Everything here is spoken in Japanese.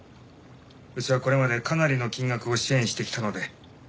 うちはこれまでかなりの金額を支援してきたので。